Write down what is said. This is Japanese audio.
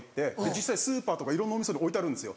実際スーパーとかいろんなお店に置いてあるんですよ。